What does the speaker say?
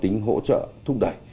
tính hỗ trợ thúc đẩy